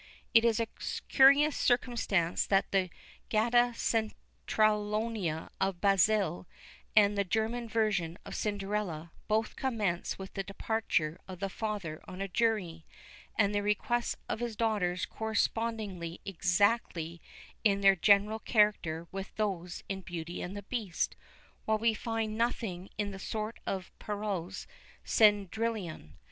It is a curious circumstance that the Gatta Cennerentola of Basile, and the German version of Cinderella, both commence with the departure of the father on a journey, and the requests of his daughters corresponding exactly in their general character with those in Beauty and the Beast, while we find nothing of the sort in Perrault's Cendrillon.